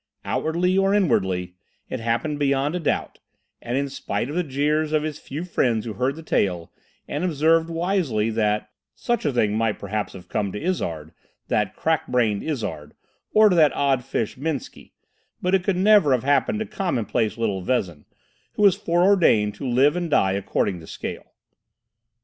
Outwardly or inwardly, it happened beyond a doubt, and in spite of the jeers of his few friends who heard the tale, and observed wisely that "such a thing might perhaps have come to Iszard, that crack brained Iszard, or to that odd fish Minski, but it could never have happened to commonplace little Vezin, who was fore ordained to live and die according to scale."